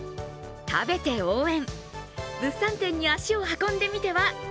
食べて応援！